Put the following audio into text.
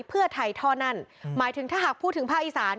เพื่อไทยท่อนั่นหมายถึงถ้าหากพูดถึงภาคอีสาน